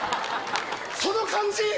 その感じ！